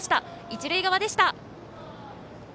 一塁側でした。